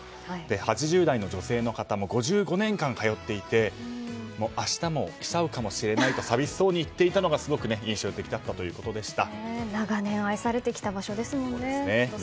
８０代の女性の方も５５年間通っていて明日も来ちゃうかもしれないと寂しそうに言っていたのが長年愛されてきた場所